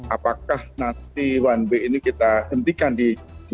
apakah nanti one way ini kita hentikan di dua puluh empat